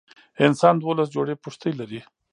انسان دولس جوړي پښتۍ لري.